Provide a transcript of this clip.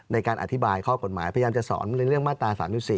ในการอธิบายข้อกฎหมายพยายามจะสอนในเรื่องมาตรา๓๔